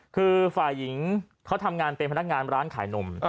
คือฝ่ายหญิงเขาทำงานเป็นพนักงานร้านขายนม